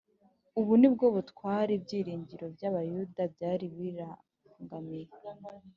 . Ubu nibwo butware ibyiringiro by’Abayuda byari birangamiye